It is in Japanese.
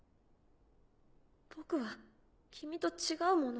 僕は君と違うもの。